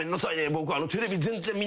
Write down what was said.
僕」